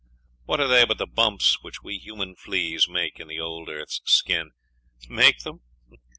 What are they but the bumps which we human fleas make in the old earth's skin?. Make them?